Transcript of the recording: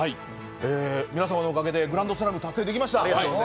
皆様のおかげでグランドスラム達成できました。